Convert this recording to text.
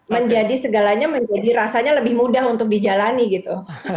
menjadi segalanya menjadi rasanya lebih mudah untuk dijalani gitu